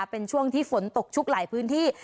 เป็นช่วงที่ฝนตกชุกหลายพื้นที่